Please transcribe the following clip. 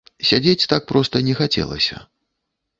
Сядзець так проста не хацелася.